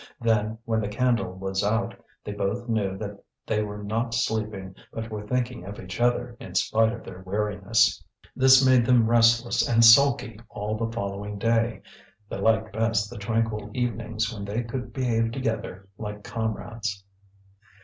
Then, when the candle was out, they both knew that they were not sleeping but were thinking of each other in spite of their weariness. This made them restless and sulky all the following day; they liked best the tranquil evenings when they could behave together like comrades.